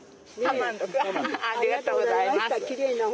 ありがとうございます。